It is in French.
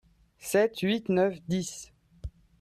Sept, huit, neuf, dix.